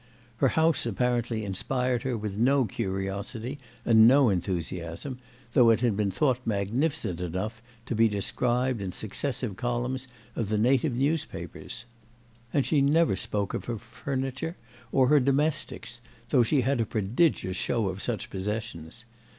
Her house apparently inspired her with no curiosity and no enthusiasm, though it had been thought magnificent enough to be described in successive columns of the native newspapers; and she never spoke of her furniture or her domestics, though she had a prodigious show of such possessions.